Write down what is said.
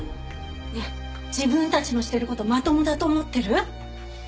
ねえ自分たちのしてる事まともだと思ってる？